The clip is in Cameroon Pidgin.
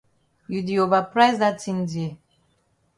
You di ova price dat tin dear.